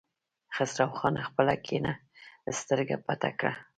خسرو خان خپله کيڼه سترګه پټه کړه.